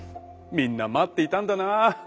みんな待っていたんだな。